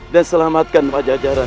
dan selamatkan wajah jahatan